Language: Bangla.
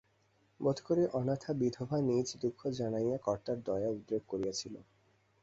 বোধ করি অনাথা বিধবা নিজ দুঃখ জানাইয়া কর্তার দয়া উদ্রেক করিয়াছিল।